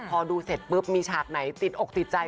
พอดูเสร็จปุ๊บมีฉากไหนติดอกติดใจ